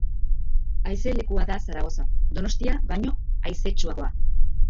Haize lekua da Zaragoza, Donostia baino haizetsuagoa